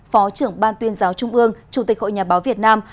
phó trưởng ban tuyên giáo trung ương chủ tịch hội nhà báo việt nam